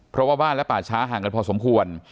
เพราะว่าบ้านและป่าช้าห่างกันพอสมควร